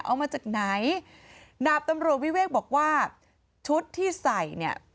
เอามาจากไหนดาบตำรวจวิเวกบอกว่าชุดที่ใส่เนี่ย